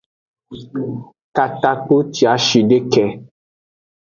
Katakpuciashideke.